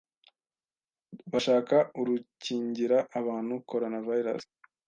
bashaka urukingira abantu Coronavirus